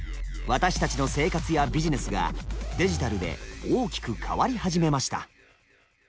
私たちの生活やビジネスがデジタルで大きく変わり始めました。